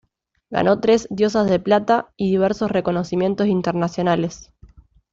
Ganó tres "Diosas de Plata" y diversos reconocimientos internacionales.